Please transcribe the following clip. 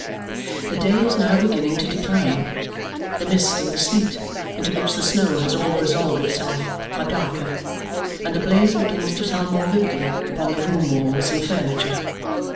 The day is now beginning to decline. The mist and the sleet into which the snow has all resolved itself are darker, and the blaze begins to tell more vividly upon the room walls and furniture.